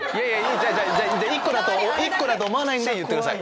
じゃあ１個だと思わないんで言ってください。